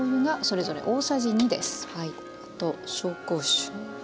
あと紹興酒。